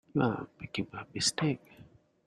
You are making a mistake.